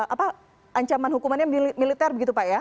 apa ancaman hukumannya militer begitu pak ya